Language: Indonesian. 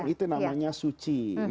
itu namanya suci